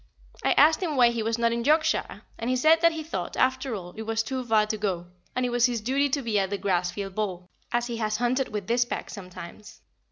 I asked him why he was not in Yorkshire, and he said that he thought, after all, it was too far to go, and it was his duty to be at the Grassfield ball, as he has hunted with this pack sometimes.